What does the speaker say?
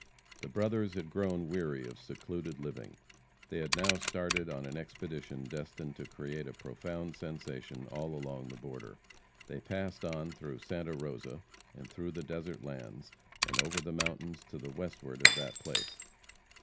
The brothers had grown weary of secluded living. They had now started on an expedition destined to create a profound sensation all along the border. They passed on through Santa Rosa, and through the desert lands, and over the mountains to the westward of that place.